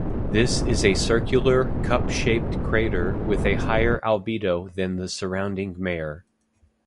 This is a circular, cup-shaped crater with a higher albedo than the surrounding mare.